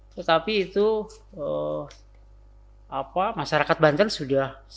tetapi itu masyarakat banten sudah